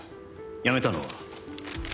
辞めたのは？